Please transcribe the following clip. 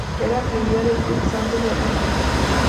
Era filial del Club Santos Laguna.